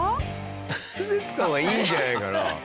面接官はいいんじゃないかな。